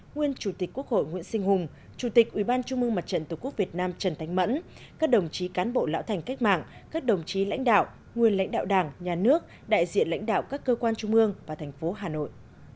nguyên chủ tịch quốc hội nguyễn sinh hùng chủ tịch ủy ban trung mương mặt trận tổ quốc việt nam trần thanh mẫn các đồng chí cán bộ lão thành cách mạng các đồng chí lãnh đạo nguyên lãnh đạo đảng nhà nước đại diện lãnh đạo các cơ quan trung ương và thành phố hà nội